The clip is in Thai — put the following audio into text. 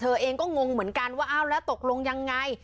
เองก็งงเหมือนกันว่าอ้าวแล้วตกลงยังไง